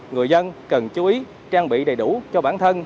người dân cần chú ý trang bị đầy đủ cho bản thân